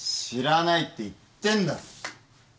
知らないって言ってんだろ！